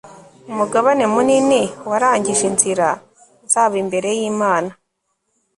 umugabane munini warangije inzira zabo imbere y'imana